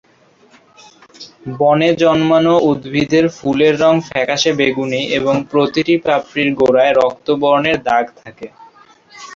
বনে জন্মানো উদ্ভিদের ফুলের রং ফ্যাকাশে বেগুনি এবং প্রতিটি পাপড়ির গোড়ায় রক্তবর্ণের দাগ থাকে।